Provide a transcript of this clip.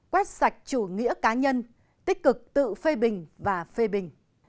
quét sạch chủ nghĩa cá nhân tích cực tự phê bình và phê bình